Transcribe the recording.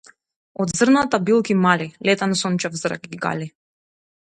Од зрната билки мали - летен сончев зрак ги гали.